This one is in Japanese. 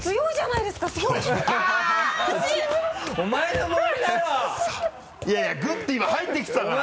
いやいやグッて今入ってきてたから。